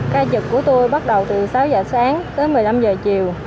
ca trực của tôi bắt đầu từ sáu giờ sáng tới một mươi năm giờ chiều